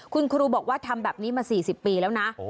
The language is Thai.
คุณครูบอกว่าทำแบบนี้มา๔๐ปีแล้วนะ